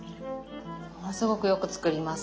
ものすごくよく作ります。